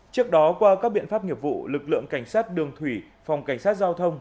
trước đó qua các biện pháp nghiệp vụ lực lượng cảnh sát đường thủy phòng cảnh sát giao thông